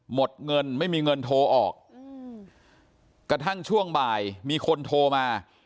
หมดเงินไม่มีเงินโทรออกกระทั่งช่วงบ่ายมีคนโทรมา